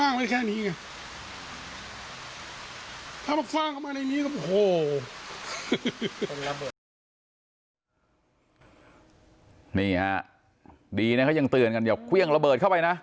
นี่น่ะดีนะตั้งแต่งดีถ้าไม่เครื่องระเบิดเข้าไปนะ